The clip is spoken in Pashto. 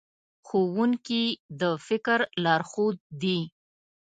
ښوونکي د فکر لارښود دي.